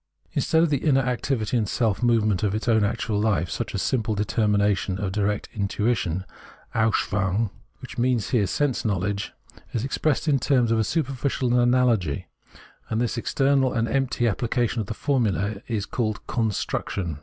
Instead of the inner activity and self movement of its own actual hfe, such a simple determination of direct intuition {Anschauung) — which means here 48 Phenomenology of Mind sense knowledge — is expressed in terms of a superficial analogy, and this external and empty application of the formula is called " construction."